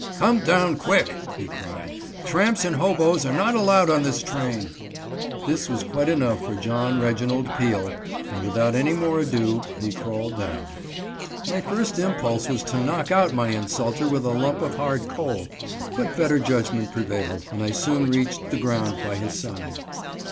"Come down, quick!" he cried. "Tramps and hobos are not allowed on this train." This was quite enough for John Reginald Peele, and without any more ado he crawled down. My first impulse was to knock out my insulter with a lump of hard coal, but better judgment prevailed, and I soon reached the ground by his side.